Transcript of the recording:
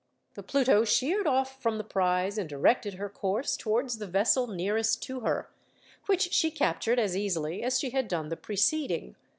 The Pluto sheered off from the prize, and directed her course towards the vessel nearest to her, which she captured as easily as she had done the preceding.